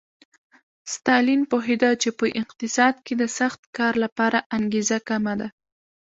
ستالین پوهېده چې په اقتصاد کې د سخت کار لپاره انګېزه کمه ده